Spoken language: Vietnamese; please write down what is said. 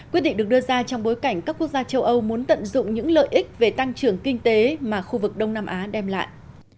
quyết định được đưa ra trong bối cảnh các quốc gia châu âu muốn tận dụng những lợi ích về tăng trưởng kinh tế mà khu vực đông nam á đem lại